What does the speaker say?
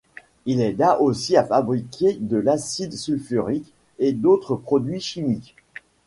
Il aida aussi à fabriquer de l'acide sulfurique et d'autres produits chimiques.